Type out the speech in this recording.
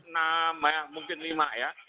enam ya mungkin lima ya